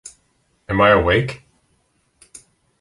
Am I Awake?